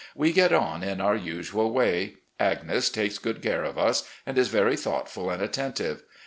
We get on in our usual way. Agnes takes good care of us, and is very thoughtful and attentive.